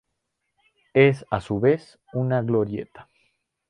Es, a su vez, una glorieta.